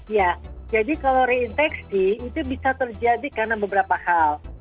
ya jadi kalau reinfeksi itu bisa terjadi karena beberapa hal